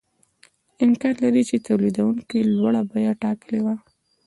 امکان لري چې تولیدونکي لوړه بیه ټاکلې وي